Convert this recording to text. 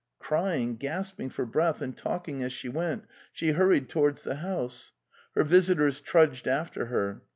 Crying, gasping for breath and talking as she went, she hurried towards the house. Her visitors trudged after her.